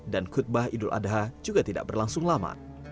dan khutbah idul adha juga tidak berlangsung lama